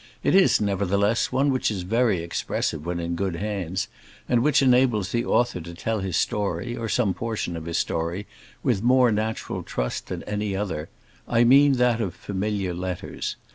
It is, nevertheless, one which is very expressive when in good hands, and which enables the author to tell his story, or some portion of his story, with more natural trust than any other, I mean that of familiar letters.